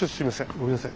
ごめんなさい。